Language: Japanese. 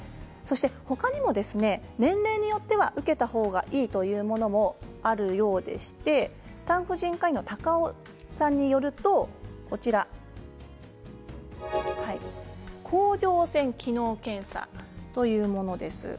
ほかにも年齢によっては受けたほうがいいというものもあるようでして産婦人科医の高尾さんによると甲状腺機能検査というものです。